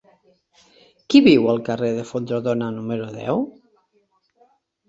Qui viu al carrer d'en Fontrodona número deu?